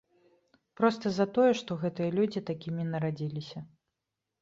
Проста за тое, што гэтыя людзі такімі нарадзіліся.